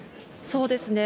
そうですね。